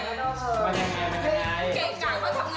เก่งกันเค้าทำงานอะไรอ่ะ